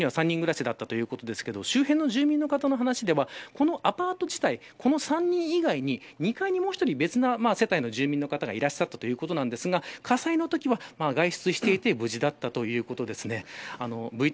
ここには３人暮らしだったということですが周辺の住人の方の話ではこのアパート地帯この３人以外に２階に別の世帯の住人の方がいらっしゃったということですが火災のときは外出していて無事だったということです